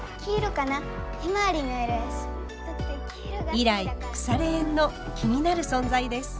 以来くされ縁の気になる存在です。